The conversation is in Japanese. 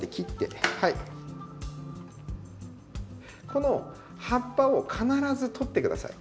この葉っぱを必ず取って下さい。